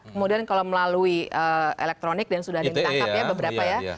kemudian kalau melalui elektronik dan sudah ada yang ditangkap ya beberapa ya